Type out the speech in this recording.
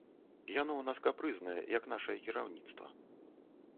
Яно ў нас капрызнае, як нашае кіраўніцтва.